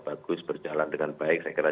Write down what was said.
bagus berjalan dengan baik saya kira